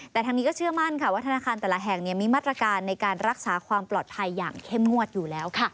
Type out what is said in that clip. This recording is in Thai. แต่ทางนี้ก็เชื่อมั่นค่ะว่าธนาคารแต่ละแห่งมีมาตรการในการรักษาความปลอดภัยอย่างเข้มงวดอยู่แล้วค่ะ